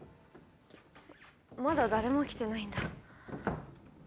まだ誰も来てないんだ。